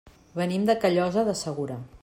Venim de Callosa de Segura.